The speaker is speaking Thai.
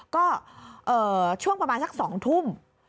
ก็ช่วงประมาณสัก๒ทุ่ม